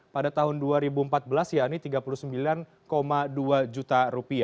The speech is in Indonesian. pada tahun dua ribu empat belas ya ini rp tiga puluh sembilan dua juta